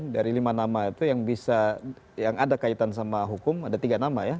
dari lima nama itu yang bisa yang ada kaitan sama hukum ada tiga nama ya